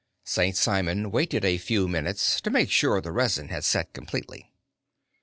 St. Simon waited for a few minutes to make sure the resin had set completely.